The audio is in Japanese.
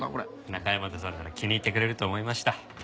中山田さんなら気に入ってくれると思いました。